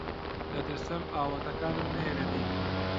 دەترسم ئاواتەکانم نەیەنە دی.